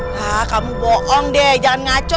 hah kamu bohong deh jangan ngaco